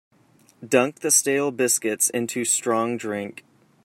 Dunk the stale biscuits into strong drink.